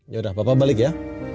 ya udah bapak balik ya